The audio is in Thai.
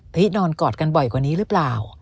นอนกอดกันบ่อยกว่านี้หรือเปล่า